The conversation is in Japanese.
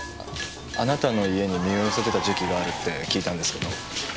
あなたの家に身を寄せてた時期があるって聞いたんですけど。